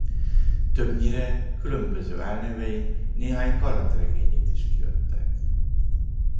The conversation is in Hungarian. Többnyire különböző álnevein néhány kalandregényét is kiadták.